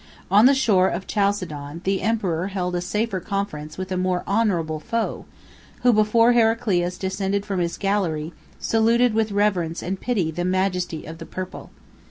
On the shore of Chalcedon, the emperor held a safer conference with a more honorable foe, who, before Heraclius descended from his galley, saluted with reverence and pity the majesty of the purple.